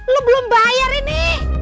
lo belum bayar ini